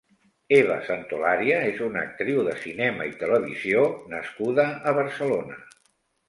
Eva Santolaria és una actriu de cinema i televisió nascuda a Barcelona.